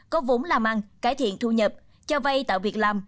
có vốn làm ăn cải thiện thu nhập cho vay tạo việc làm